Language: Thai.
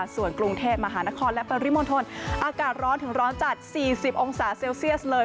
ส่วนกรุงเทพมหานครและปริมณฑลอากาศร้อนถึงร้อนจัด๔๐องศาเซลเซียสเลย